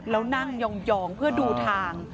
แล้วนั่งยองเพื่อดูทาง